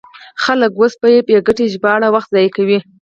خلک اوس په بې ګټې ژباړو وخت ضایع کوي.